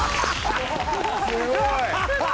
すごい！